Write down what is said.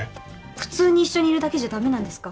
普通に一緒にいるだけじゃダメなんですか？